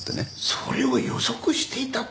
それを予測していたと。